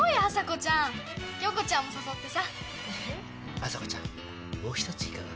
麻子ちゃんもう一ついかが？